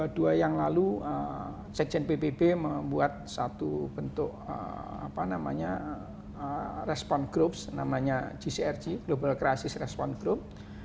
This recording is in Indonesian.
tapi kalau ingat di dua ribu dua puluh dua yang lalu seksen pbb membuat satu bentuk response group namanya gcrg global crisis response group